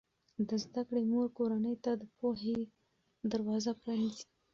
د زده کړې مور کورنۍ ته د پوهې دروازه پرانیزي.